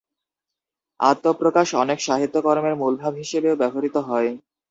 আত্ম-প্রকাশ অনেক সাহিত্যকর্মের মূলভাব হিসেবেও ব্যবহৃত হয়।